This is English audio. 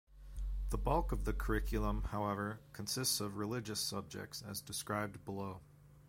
The bulk of the curriculum, however, consists of religious subjects as described below.